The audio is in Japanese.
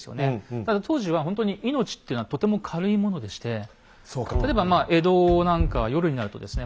ただ当時はほんとに命っていうのはとても軽いものでして例えばまあ江戸なんかは夜になるとですね